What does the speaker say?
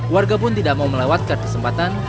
warga pun tidak mau melewatkan kesempatan